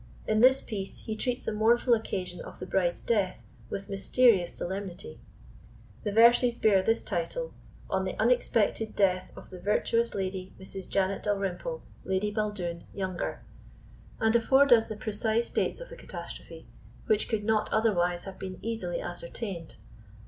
In this piece he treats the mournful occasion of the bride's death with mysterious solemnity. The verses bear this title, "On the unexpected death of the virtuous Lady Mrs. Janet Dalrymple, Lady Baldoon, younger," and afford us the precise dates of the catastrophe, which could not otherwise have been easily ascertained.